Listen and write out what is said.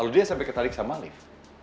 lalu dia sampai ketarik sama lift